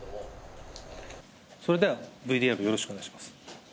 それではＶＴＲよろしくお願いします。